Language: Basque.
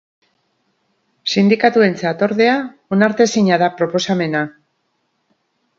Sindikatuentzat, ordea, onartezina da proposamena.